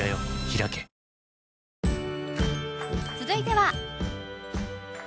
続いては